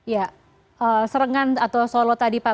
ya serengan atau solo tadi pak